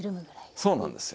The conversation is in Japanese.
そうなんですよ。